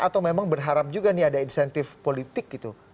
atau memang berharap juga nih ada insentif politik gitu